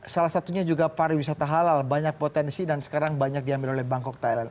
salah satunya juga pariwisata halal banyak potensi dan sekarang banyak diambil oleh bangkok thailand